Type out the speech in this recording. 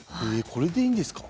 これでいいですか？